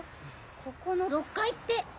ここの６階って。